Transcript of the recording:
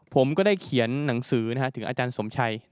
ผมก็ได้เขียนหนังสือถึงอาจารย์สมชัย